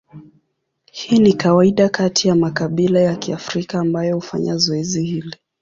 Hii ni kawaida kati ya makabila ya Kiafrika ambayo hufanya zoezi hili.